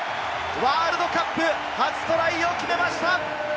ワールドカップ初トライを決めました！